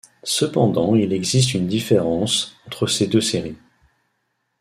Cependant il existe une différence entre ces deux séries.